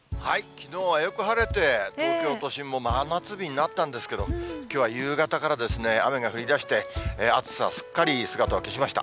きのうはよく晴れて東京都心も真夏日になったんですけど、きょうは夕方からですね、雨が降りだして暑さ、すっかり姿を消しました。